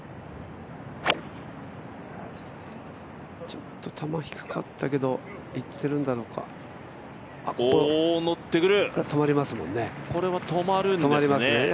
ちょっと球低かったけど、いってるんだろうかのってくる、これは止まるんですね。